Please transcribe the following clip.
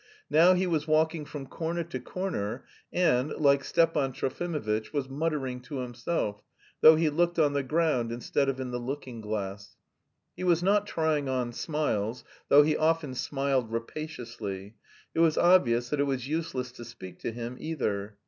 Now he was walking from corner to corner, and, like Stepan Trofimovitch, was muttering to himself, though he looked on the ground instead of in the looking glass. He was not trying on smiles, though he often smiled rapaciously. It was obvious that it was useless to speak to him either.